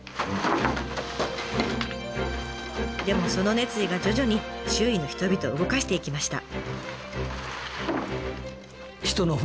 でもその熱意が徐々に周囲の人々を動かしていきました。